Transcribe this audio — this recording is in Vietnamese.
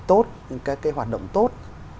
tốt cái hoạt động tốt